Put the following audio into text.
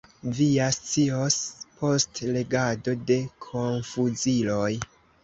Vi ja scios post legado de Konfuziloj.